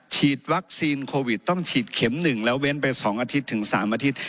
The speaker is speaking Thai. ฉีดวัคซีนโควิดต้องฉีดเข็ม๑แล้วเว้นไป๒อาทิตย์ถึง๓อาทิตย์